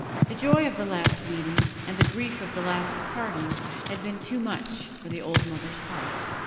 The joy of the last meeting and the grief of the last parting had been too much for the old mother's heart.